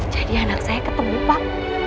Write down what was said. jadi anak saya ketemu pak